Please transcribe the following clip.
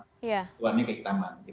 itu warnanya kehitaman